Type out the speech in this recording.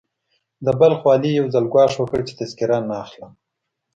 د بلخ والي يو ځل ګواښ وکړ چې تذکره نه اخلم.